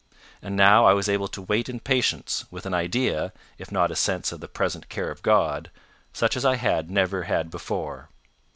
And now I was able to wait in patience, with an idea, if not a sense of the present care of God, such as I had never had before.